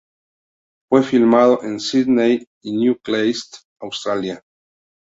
Fue filmado en Sydney y Newcastle, Australia.